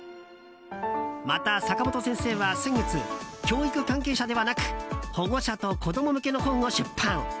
また、坂本先生は先月教育関係者ではなく保護者と子供向けの本を出版。